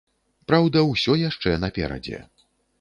Праўда, усё яшчэ наперадзе.